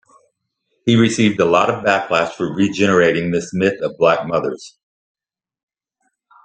He received a lot of backlash for regenerating this myth of black mothers.